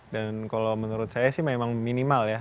dan kalau menurut saya sih memang minimal ya